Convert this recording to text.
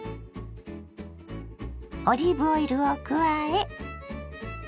オリーブオイルを加え。